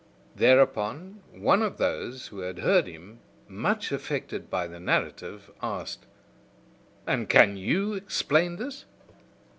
Thereupon, one of those who had heard him, much affected by the narrative, asked: "And can you explain this?"